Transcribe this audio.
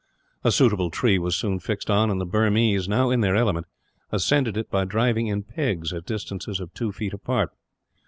A suitable tree was soon fixed on; and the Burmese, now in their element, ascended it by driving in pegs at distances of two feet apart.